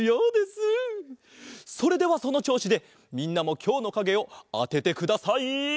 それではそのちょうしでみんなもきょうのかげをあててください。